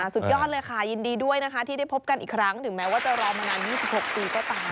สุดยอดเลยค่ะยินดีด้วยนะคะที่ได้พบกันอีกครั้งถึงแม้ว่าจะรอมานาน๒๖ปีก็ตาม